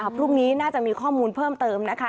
พรุ่งนี้น่าจะมีข้อมูลเพิ่มเติมนะคะ